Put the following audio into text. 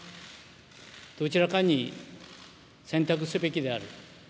どちらかに選択すべきである。